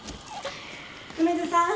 梅津さん。